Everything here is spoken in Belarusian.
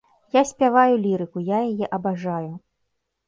Я спяваю лірыку, я яе абажаю.